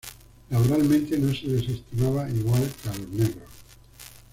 Laboralmente no se les estimaba igual que a los negros.